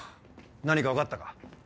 何か分かったか？